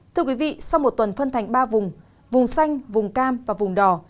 thưa quý vị sau một tuần phân thành ba vùng vùng xanh vùng cam và vùng đỏ